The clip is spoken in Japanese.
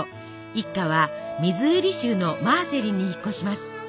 一家はミズーリ州のマーセリンに引っ越します。